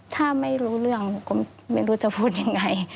ถ้าไม่รู้เรื่องหนูก็ไม่รู้จะพูดยังไง